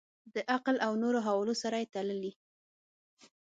د عقل او نورو حوالو سره یې تللي.